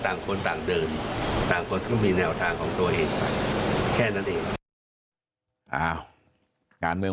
ต่างคนต่างเดินต่างคนก็มีแนวทางของตัวเอง